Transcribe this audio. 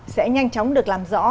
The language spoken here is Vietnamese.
sẽ nhanh chóng được làm rõ